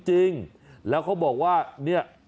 จริงแล้วเขาบอกว่าเนี่ย